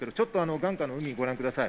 眼下の海をご覧ください。